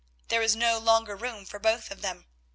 There was no longer room for both of them.